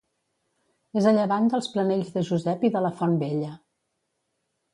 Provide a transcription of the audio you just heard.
És a llevant dels Planells de Josep i de la Font Vella.